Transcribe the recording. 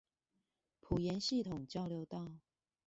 埔鹽系統交流道